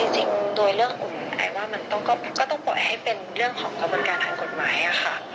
จริงโดยเรื่องกลุ่มไอว่ามันก็ต้องปล่อยให้เป็นเรื่องของกระบวนการทางกฎหมายค่ะ